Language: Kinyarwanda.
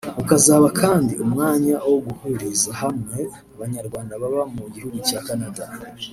ukazaba kandi umwanya wo guhuriza hamwe abanyarwanda baba mu gihugu cya Canada